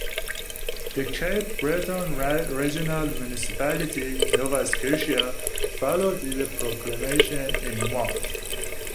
The Cape Breton Regional Municipality, Nova Scotia, followed with a proclamation in March.